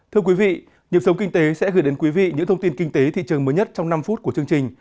thưa quý vị nhiệm sống kinh tế sẽ gửi đến quý vị những thông tin kinh tế thị trường mới nhất trong năm phút của chương trình